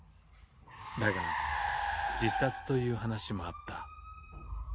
だが自殺という話もあった。